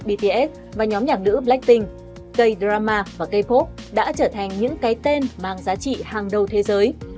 bts và nhóm nhạc nữ blackpink k drama và k pop đã trở thành những cái tên mang giá trị hàng đầu thế giới